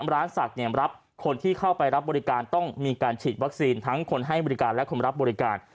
สักรับคนที่เข้าไปรับบริการต้องมีการฉีดวัคซีนทั้งคนให้บริการและคนรับบริการ